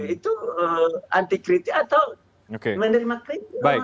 itu anti kritik atau menerima kritik